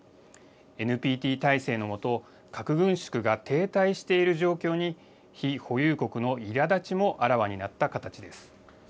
ＮＰＴ体制の下、核軍縮が停滞している状況に、非保有国のいらだちもあらわになった形です。